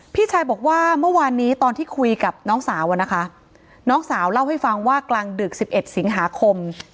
พี่ชายบอกว่าเมื่อวานนี้ตอนที่คุยกับน้องสาวอะนะคะน้องสาวเล่าให้ฟังว่ากลางดึก๑๑สิงหาคม